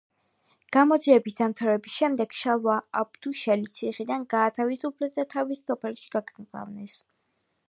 გამოძიების დამთავრების შემდეგ შალვა აბდუშელი ციხიდან გაათავისუფლეს და თავის სოფელში გაგზავნეს.